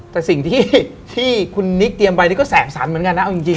แต่สิ่งที่คุณนิกเตรียมไปนี่ก็แสกสรรเหมือนกันนะเอาจริง